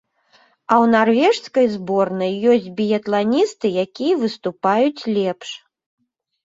А ў нарвежскай зборнай ёсць біятланісты, якія выступаюць лепш.